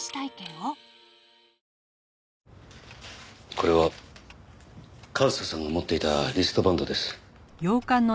これは和沙さんが持っていたリストバンドです。